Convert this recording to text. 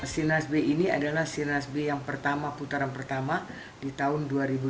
sinas b ini adalah sirnas b yang pertama putaran pertama di tahun dua ribu dua puluh